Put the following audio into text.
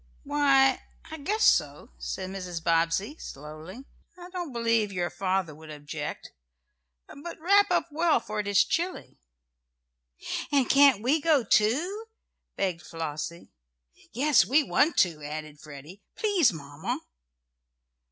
"Why, I guess so," said Mrs. Bobbsey, slowly. "I don't believe your father would object. But wrap up well, for it is chilly." "And can't we go, too?" begged Flossie "Yes, we want to," added Freddie. "Please, Mamma!"